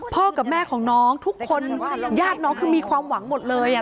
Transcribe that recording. กับแม่ของน้องทุกคนญาติน้องคือมีความหวังหมดเลย